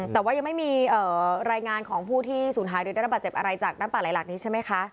แต่ว่ายังไม่มีรายงานของผู้ที่สูญหายหรือได้ระบาดเจ็บอะไรจากน้ำป่าไหลหลักนี้ใช่ไหมคะ